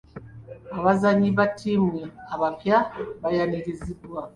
Abazannyi ba ttiimu abapya baayanirizibwa.